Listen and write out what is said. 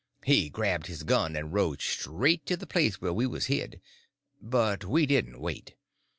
He grabbed his gun and rode straight to the place where we was hid. But we didn't wait.